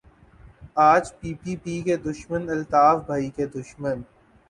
آج P P P کے دشمن الطاف بھائی کے دشمن